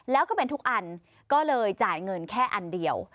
แล้วก็เป็นทุกอันก็เลยจ่ายเงินแค่อันเดียว